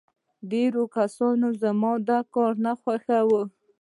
ډېرو کسانو زما دا کار نه خوښاوه